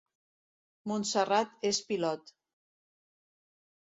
Montserrat és pilot